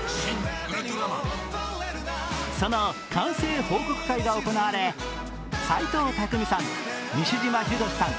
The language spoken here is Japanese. その完成報告会が行われ斎藤工さん、西島秀俊さん